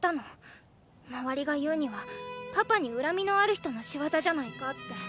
周りが言うにはパパに恨みのある人の仕業じゃないかって。